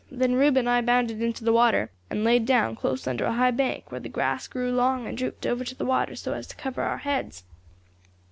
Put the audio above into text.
Then Rube and I bounded into the water, and laid down close under a high bank, where the grass grew long, and drooped over to the water so as to cover our heads.